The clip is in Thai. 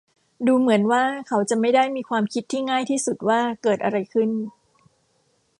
ดูเหมือนว่าเขาจะไม่ได้มีความคิดที่ง่ายที่สุดว่าเกิดอะไรขึ้น